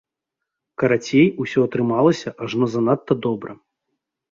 Карацей, усё атрымалася ажно занадта добра.